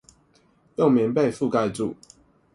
再用棉被覆蓋住